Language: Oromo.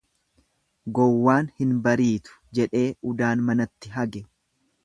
Gowwaan hin bariitu, jedhee udaan manatti hage.